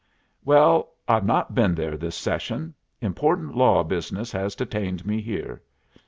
"Well, I've not been there this session. Important law business has detained me here.